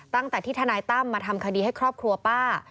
ตั้งแต่ที่ทนายตั้มมาทำคดีให้ครอบครัวป้า